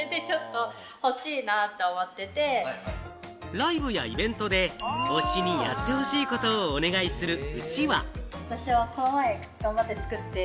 ライブやイベントで推しにやってほしいことをお願いする、うちわ。